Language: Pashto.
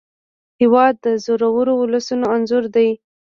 هېواد د زړورو ولسونو انځور دی.